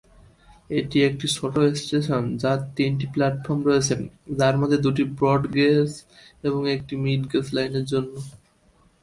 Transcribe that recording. এটি একটি ছোট স্টেশন যার তিনটি প্লাটফর্ম রয়েছে, যার মধ্যে দুটি ব্রড গেজ ও একটি মিটার গেজ লাইনের জন্য।